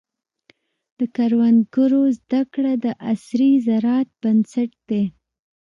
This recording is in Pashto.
د کروندګرو زده کړه د عصري زراعت بنسټ دی.